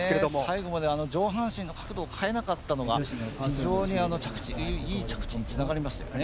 最後まで上半身の角度を変えなかったのが非常にいい着地につながりましたよね。